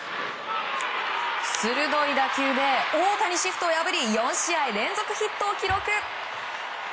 鋭い打球で大谷シフトを破り４試合連続ヒットを記録。